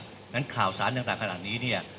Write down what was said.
ดังนั้นข่าวสารต่างต่างขนาดนี้เนี่ย